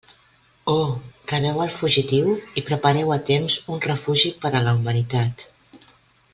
Oh!, rebeu el fugitiu i prepareu a temps un refugi per a la humanitat.